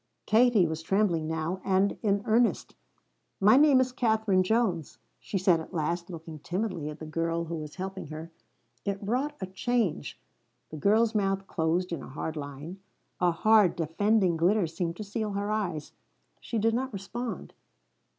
Katie was trembling now, and in earnest. "My name is Katherine Jones," she said at last, looking timidly at the girl who was helping her. It wrought a change. The girl's mouth closed in a hard line. A hard, defending glitter seemed to seal her eyes. She did not respond.